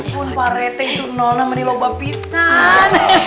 wih pak rete itu nona menilau babisan